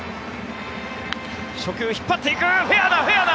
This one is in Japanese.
初球、引っ張っていくフェアだ！